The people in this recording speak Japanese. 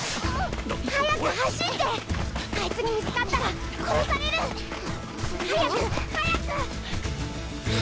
早く走ってあいつに見つかったら殺される！早く早く！